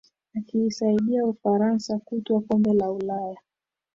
akiisaidia Ufaransa kutwaa kombe la Ulaya